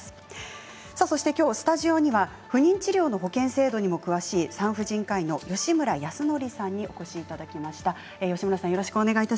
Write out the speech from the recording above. きょうスタジオには不妊治療の保険制度にも詳しい産婦人科医の吉村泰典さんにお越しいただきました。